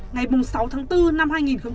ngày sáu tháng bốn năm hai nghìn hai mươi